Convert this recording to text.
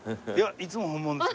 いつも本物です。